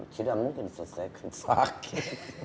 tidak mungkin selesai sakit